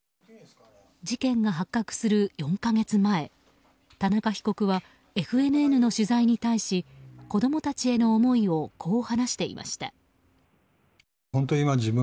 事件が発覚する４か月前田中被告はＦＮＮの取材に対し子供たちへの思いをこう話していました。